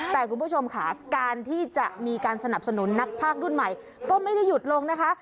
แต่คุณผู้ชมค่ะการที่จะมีการสนับสนุนนักภาครุ่นใหม่ก็ไม่ได้หยุดลงนะคะ